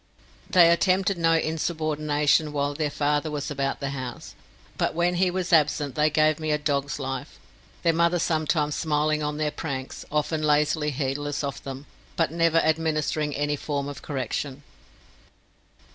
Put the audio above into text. They attempted no insubordination while their father was about the house, but when he was absent they gave me a dog's life, their mother sometimes smiling on their pranks, often lazily heedless of them, but never administering any form of correction.